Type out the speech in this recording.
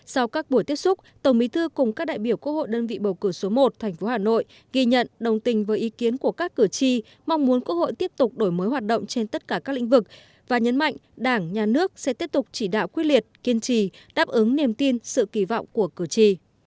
sau các buổi tiếp xúc tổng bí thư cùng các đại biểu quốc hội đơn vị bầu cử số một thành phố hà nội ghi nhận đồng tình với ý kiến của các cử tri mong muốn quốc hội tiếp tục đổi mới hoạt động trên tất cả các lĩnh vực và nhấn mạnh đảng nhà nước sẽ tiếp tục chỉ đạo quyết liệt kiên trì đáp ứng niềm tin sự kỳ vọng của cử tri